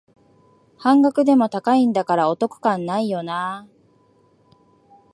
半額でも高いんだからお得感ないよなあ